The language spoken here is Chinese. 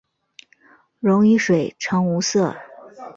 溶于水呈无色。